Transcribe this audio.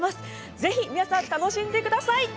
ぜひ皆さん、楽しんでください。